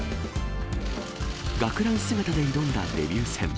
学ラン姿で挑んだデビュー戦。